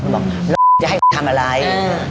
บอกจะให้ทำอะไร